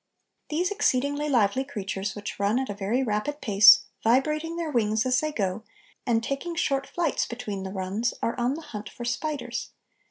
These exceedingly lively creatures which run at a very rapid pace, vibrating their wings as they go, and taking short flights between the runs, are on the hunt for spiders.